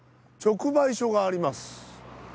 直売所があります。